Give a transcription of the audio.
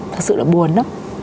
thật sự là buồn